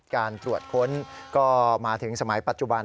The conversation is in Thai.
การตรวจค้นก็มาถึงสมัยปัจจุบัน